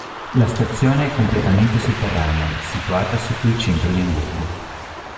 La stazione è completamente sotterranea, situata sotto il centro di Amburgo.